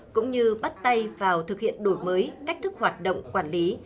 cũng như bắt tay vào thực hiện đổi mới cách thức hoạt động quản lý